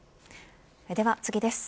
では次です。